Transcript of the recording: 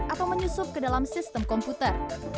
atau menyusup ke dalam sistem komputer